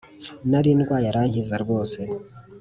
Nari ndway’arankiza rwose